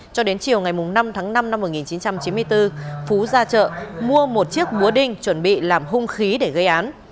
cho đến chiều ngày năm tháng năm năm một nghìn chín trăm chín mươi bốn phú ra chợ mua một chiếc búa đinh chuẩn bị làm hung khí để gây án